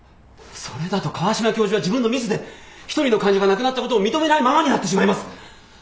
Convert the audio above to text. それだと川島教授は自分のミスで一人の患者が亡くなったことを認めないままになってしまいます！